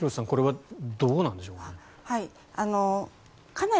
これはどうなんでしょうか。